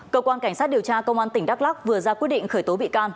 cơ quan cảnh sát điều tra công an tỉnh đắk lắc vừa ra quyết định khởi tố bị can